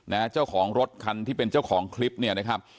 เจ้าของรถคันที่เป็นเจ้าของคลิปเนี่ยนะครับ